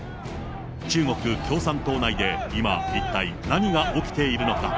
中国共産党内で今、一体何が起きているのか。